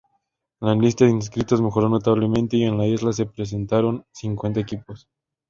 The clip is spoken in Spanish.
La lista de inscritos mejoró notablemente y en la isla se presentaron cincuenta equipos.